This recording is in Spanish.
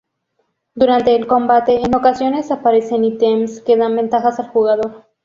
Durante el combate, en ocasiones aparecen ítems que dan ventajas al jugador.